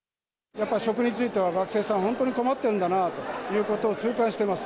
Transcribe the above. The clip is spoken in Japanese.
やっぱり食については、学生さん、本当に困ってるんだなということを痛感してます。